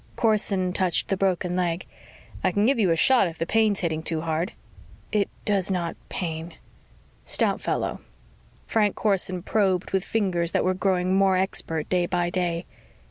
Corson touched the broken leg. "I can give you a shot if the pain's hitting too hard." "It does not pain." "Stout fellow." Frank Corson probed with fingers that were growing more expert day by day.